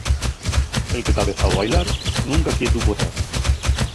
El que ta avezáu a bailar, nunca quietu pue tar.